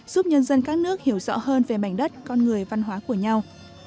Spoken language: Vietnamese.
giúp nhân dân các nước hiểu rõ hơn về mảnh đất con người văn hóa của nhau